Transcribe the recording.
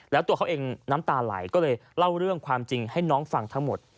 แล้วตัวเขาเองน้ำตาไหลก็เลยเล่าเรื่องความจริงให้น้องฟังทั้งหมด